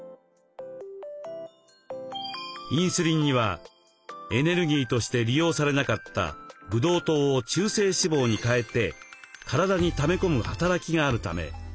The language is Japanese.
インスリンにはエネルギーとして利用されなかったブドウ糖を中性脂肪に変えて体にため込む働きがあるため太ってしまうのです。